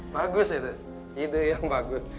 bagus ide yang bagus